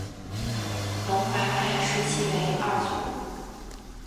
龙华派视其为二祖。